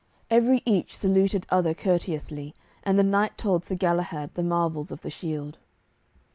Every each saluted other courteously, and the knight told Sir Galahad the marvels of the shield.